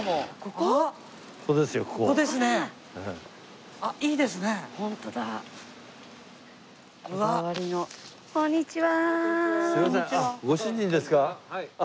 こんにちは。